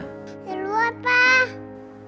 di luar pa